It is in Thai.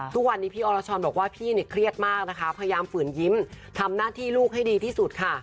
ทุกวันนี้พี่อรชรบอกว่าพี่เนี่ยเครียดมากนะคะพยายามฝืนยิ้มทำหน้าที่ลูกให้ดีที่สุดค่ะ